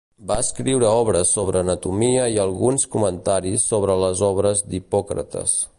Va escriure obres sobre anatomia i alguns comentaris sobre les obres d'Hipòcrates.